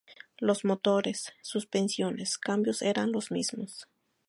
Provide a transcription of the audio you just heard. Los motores, suspensiones, cambios eran los mismos.